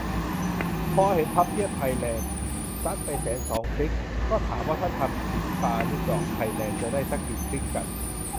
พอเห็น "พับเพียบไทยแลนด์" ซัดไปแสนสองคลิก ก็ถามว่า ถ้าทำ "จิ๋มปาลูกดอกไทยแลนด์" จะได้ซักกี่คลิกกัน ?